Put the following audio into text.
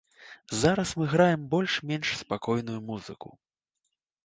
Зараз мы граем больш-менш спакойную музыку.